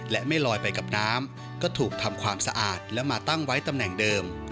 และไม่ลอยไปกับน้ำก็ถูกทำความสะอาดและมาตั้งไว้ตำแหน่งเดิม